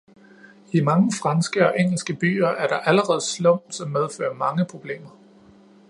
I mange franske og engelske byer er der allerede slum, som medfører mange problemer.